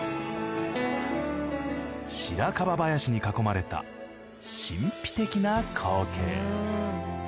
白樺林に囲まれた神秘的な光景。